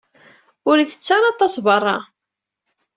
Ur itett ara aṭas berra.